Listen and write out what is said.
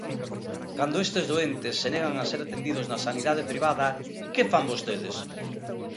Cando estes doentes se negan a ser atendidos na sanidade privada, ¿que fan vostedes?